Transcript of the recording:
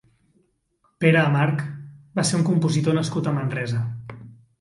Pere March va ser un compositor nascut a Manresa.